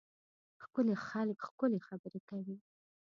ښکلي خلک ښکلې خبرې کوي.